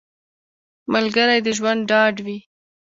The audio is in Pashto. ملګری د ژوند ډاډ وي